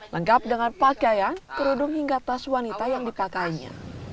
lengkap dengan pakaian kerudung hingga tas wanita yang dipakainya